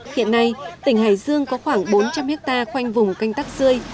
hiện nay tỉnh hải dương có khoảng bốn trăm linh hectare quanh vùng canh thác rươi